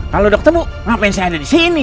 kalau udah ketemu ngapain saya ada di sini